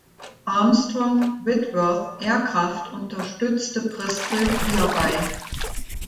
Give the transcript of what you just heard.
Armstrong Whitworth Aircraft unterstützte Bristol hierbei.